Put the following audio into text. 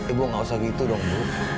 ibu nggak usah gitu dong bu